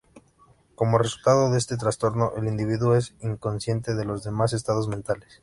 Como resultado de este trastorno, el individuo es inconsciente de los demás estados mentales.